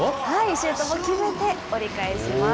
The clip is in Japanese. シュートも決めて、折り返します。